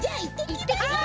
いってきます。